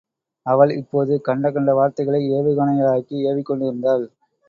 அவள், இப்போது கண்ட கண்ட வார்த்தைகளை ஏவுகணைகளாக்கி ஏவிக் கொண்டிருந்தாள்.